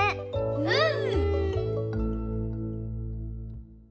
うん。